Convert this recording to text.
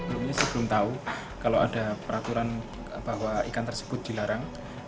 sebelumnya saya belum tahu kalau ada peraturan bahwa ikan tersebut dilarang